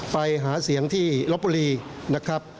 ไปหาเสียงที่ลบบุรีนะครับ